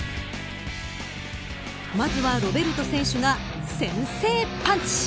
まずはロベルト選手が先制パンチ。